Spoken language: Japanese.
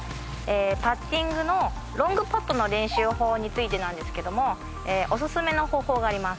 パッティングのロングパットの練習法についてなんですけどもオススメの方法があります。